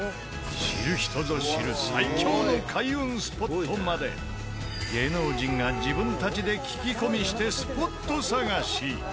知る人ぞ知る最強の開運スポットまで芸能人が自分たちで聞き込みしてスポット探し。